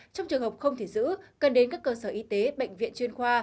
trong trường hợp không thể giữ cần đến các cơ sở y tế bệnh viện chuyên khoa